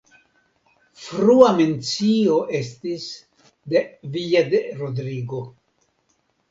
Frua mencio estis de Villa de Rodrigo.